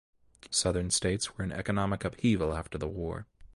Southern states were in economic upheaval after the war.